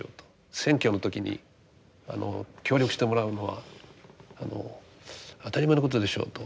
選挙の時に協力してもらうのは当たり前のことでしょうと。